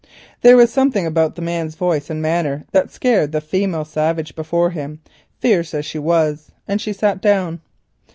There was something about the man's voice and manner that scared the female savage before him, fierce as she was, and she sat down.